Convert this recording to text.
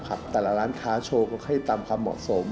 แต่ละร้านค้าโชว์ก็ให้ตามความเหมาะสม